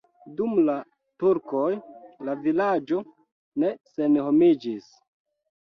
Dum la turkoj la vilaĝo ne senhomiĝis.